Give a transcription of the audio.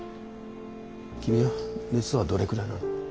君は熱はどれくらいなの？